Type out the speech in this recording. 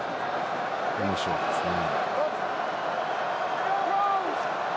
おもしろいですね。